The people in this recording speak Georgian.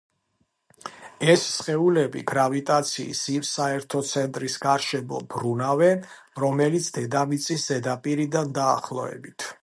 ეს სხეულები გრავიტაციის იმ საერთო ცენტრის გარშემო ბრუნავენ, რომელიც დედამიწის ზედაპირიდან დაახლოებით.